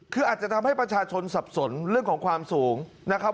คืออาจจะทำให้ประชาชนสับสนเรื่องของความสูงนะครับ